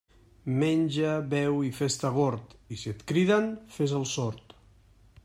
Menja, beu i fes-te gord, i si et criden, fes el sord.